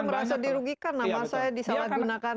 merasa dirugikan nama saya disalahgunakan